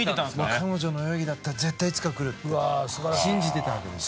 彼女の泳ぎだったら絶対いつかくるって信じてたわけですよ。